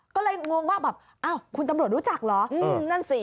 ก็เลยงงว่าแบบอ้าวคุณตำรวจรู้จักเหรอนั่นสิ